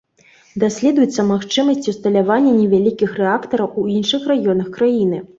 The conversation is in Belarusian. Даследуюцца магчымасці ўсталявання невялікіх рэактараў у іншых раёнах краіны.